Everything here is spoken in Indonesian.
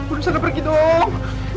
bisa gak pergi dong